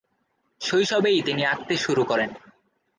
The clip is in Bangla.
শৈশবেই তিনি আঁকতে শুরু করেন।